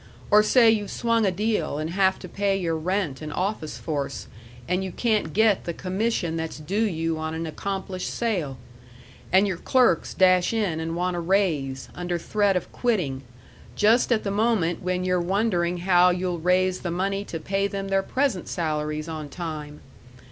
Or say you've swung a deal and have to pay your rent and office force, and you can't get the commission that's due you on an accomplished sale. And your clerks dash in and want a raise, under threat of quitting, just at the moment when you're wondering how you'll raise the money to pay them their present salaries on time!